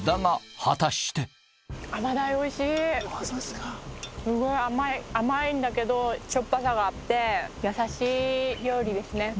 すごい甘い甘いんだけどしょっぱさがあって優しい料理ですね